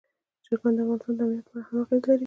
چرګان د افغانستان د امنیت په اړه هم اغېز لري.